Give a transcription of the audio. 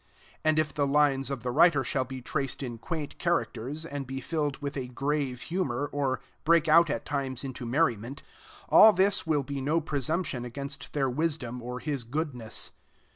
And if the lines of the writer shall be traced in quaint characters, and be filled with a grave humor, or break out at times into merriment, all this will be no presumption against their wisdom or his goodness.